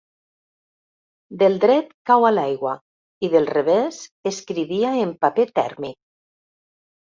Del dret cau a l'aigua i del revés escrivia en paper tèrmic.